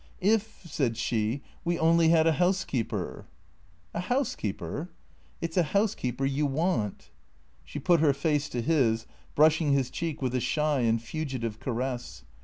" If," said she, " we only had a housekeeper." " A housekeeper ?"" It 's a housekeeper you want." She put her face to his, brushing his cheek with a shy and fugitive caress.